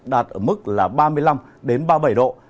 đạt ở mức là ba mươi năm đến ba mươi bảy độ